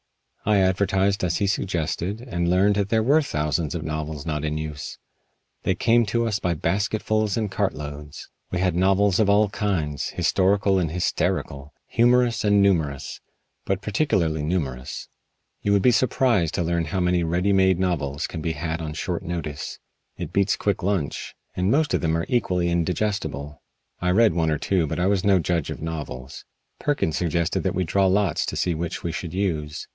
I advertised as he suggested and learned that there were thousands of novels not in use. They came to us by basketfuls and cartloads. We had novels of all kinds historical and hysterical, humorous and numerous, but particularly numerous. You would be surprised to learn how many ready made novels can be had on short notice. It beats quick lunch. And most of them are equally indigestible. I read one or two but I was no judge of novels. Perkins suggested that we draw lots to see which we should use.